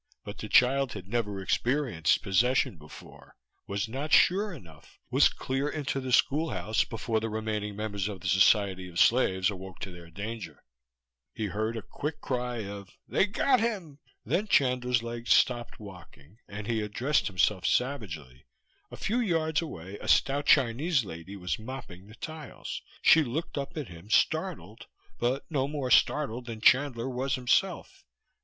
But the child had never experienced possession before, was not sure enough, was clear into the schoolhouse before the remaining members of the Society of Slaves awoke to their danger. He heard a quick cry of They got him! Then Chandler's legs stopped walking and he addressed himself savagely. A few yards away a stout Chinese lady was mopping the tiles; she looked up at him, startled, but no more startled than Chandler was himself.